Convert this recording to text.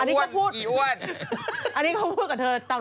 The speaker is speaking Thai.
อันนี้เขาพูดกับเธอตามลำพังเป็นโปรดิวเซอร์ที่เลวที่สุด